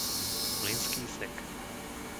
Mlynský Sek